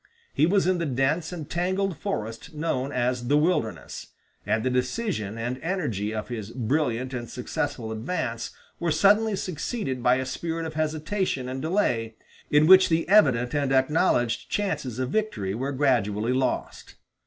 He was in the dense and tangled forest known as the Wilderness, and the decision and energy of his brilliant and successful advance were suddenly succeeded by a spirit of hesitation and delay in which the evident and acknowledged chances of victory were gradually lost.